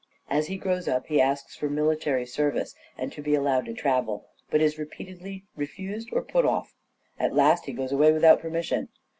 As he grows up he asks for military service and to be allowed to travel, but is repeatedly refused or put off. At last he goes away without permission.